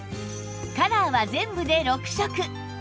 カラーは全部で６色